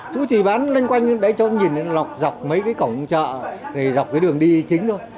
chú chỉ bán lên quanh đấy cho nhìn dọc mấy cái cổng chợ dọc cái đường đi chính thôi